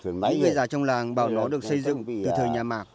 những người già trong làng bảo nó được xây dựng từ thời nhà mạc